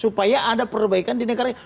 supaya ada perbaikan di negara